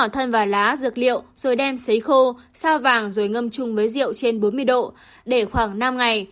thân và lá dược liệu rồi đem xấy khô sao vàng rồi ngâm chung với rượu trên bốn mươi độ để khoảng năm ngày